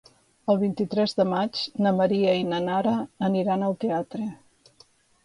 El vint-i-tres de maig na Maria i na Nara aniran al teatre.